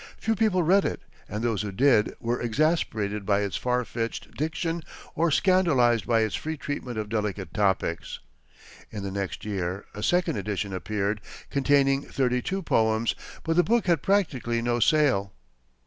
Few people read it, and those who did were exasperated by its far fetched diction or scandalized by its free treatment of delicate topics. In the next year, a second edition appeared, containing thirty two poems; but the book had practically no sale.